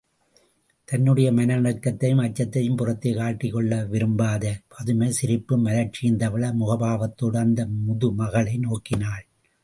தன்னுடைய மனநடுக்கத்தையும் அச்சத்தையும் புறத்தே காட்டிக்கொள்ள விரும்பாத பதுமை சிரிப்பும் மலர்ச்சியும் தவழும் முகபாவத்தோடு அந்த முதுமகளை நோக்கினாள்.